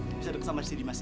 lo nggak ngargain dia pak